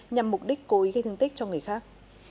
nhằm mục đích cố ý gây thương tích cho người khác